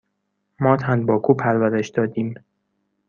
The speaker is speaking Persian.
ما تنباکو پرورش دادیم.